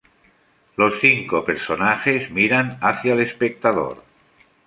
Los cinco personajes miran hacia el espectador.